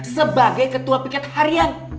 sebagai ketua piket harian